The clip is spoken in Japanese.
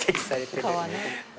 皮ね。